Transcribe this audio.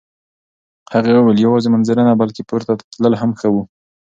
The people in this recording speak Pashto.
هغې وویل یوازې منظره نه، بلکه پورته تلل هم ښه وو.